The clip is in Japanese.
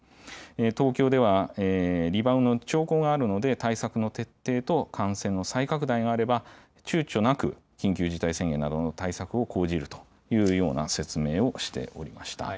東京ではリバウンドの兆候があるので、対策の徹底と感染の再拡大があれば、ちゅうちょなく緊急事態宣言などの対策を講じるというような説明をしておりました。